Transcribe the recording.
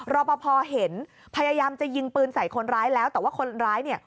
รอปภเห็นพยายามจะยิงปืนใส่คนร้ายแล้วแต่ว่าคนร้ายเนี่ย